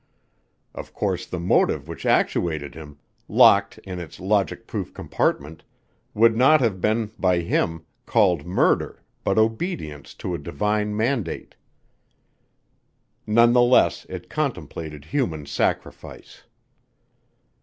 Of course the motive which actuated him, locked in its logic proof compartment, would not have been, by him, called murder but obedience to a divine mandate. None the less it contemplated human sacrifice.